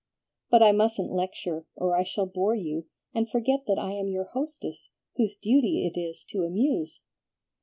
But I mustn't lecture, or I shall bore you, and forget that I am your hostess, whose duty it is to amuse."